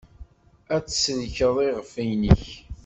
Ad tsellkeḍ iɣef-nnek.